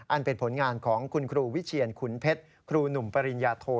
เป็นผลงานของคุณครูวิเชียนขุนเพชรครูหนุ่มปริญญาโท